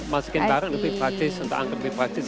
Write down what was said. masukin barang lebih praktis untuk anggap lebih praktis